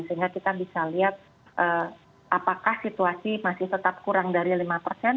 sehingga kita bisa lihat apakah situasi masih tetap kurang dari lima persen